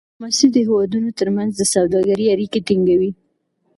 ډيپلوماسي د هېوادونو ترمنځ د سوداګری اړیکې ټینګوي.